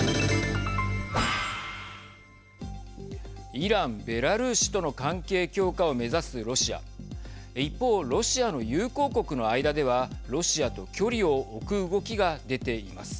イラン、ベラルーシとの関係強化を目指すロシア一方、ロシアの友好国の間ではロシアと距離を置く動きが出ています。